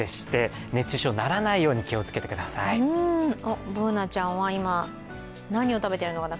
Ｂｏｏｎａちゃんは今、何を食べてるのかな？